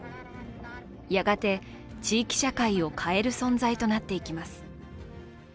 やがて地域社会を変える存在となっていきます